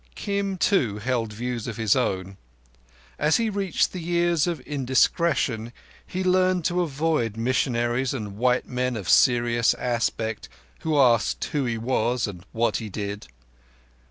Kim, too, held views of his own. As he reached the years of indiscretion, he learned to avoid missionaries and white men of serious aspect who asked who he was, and what he did.